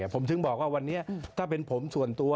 ผมถึงบอกว่าวันนี้ถ้าเป็นผมส่วนตัว